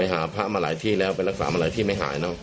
หาพระมาหลายที่แล้วไปรักษามาหลายที่ไม่หายเนอะ